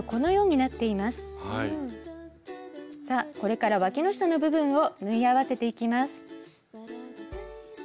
さあこれからわきの下の部分を縫い合わせていきます。